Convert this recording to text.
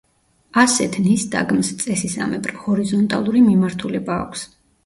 ასეთ ნისტაგმს, წესისამებრ, ჰორიზონტალური მიმართულება აქვს.